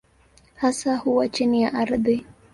Hasa huwa chini ya ardhi.